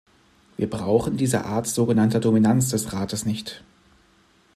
Wir brauchen diese Art so genannter „Dominanz“ des Rates nicht.